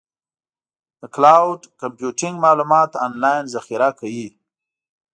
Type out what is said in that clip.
د کلاؤډ کمپیوټینګ معلومات آنلاین ذخیره کوي.